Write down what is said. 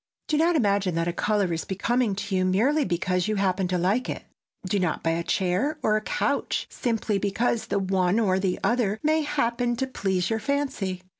Do not imagine that a color is becoming to you merely because you happen to like it. Do not buy a chair or a couch simply because the one or the other may happen to please your fancy.